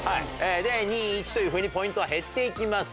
で２１というふうにポイントは減って行きます。